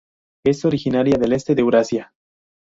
Es originaria del este de Eurasia.